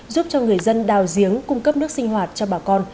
giúp cho người dân đào giếng cung cấp nước sinh hoạt cho bà con